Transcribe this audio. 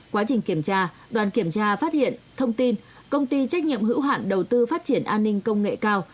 quá trình kiểm tra đoàn kiểm tra phát hiện thông tin công ty trách nhiệm hữu hạn đầu tư phát triển an ninh công nghệ cao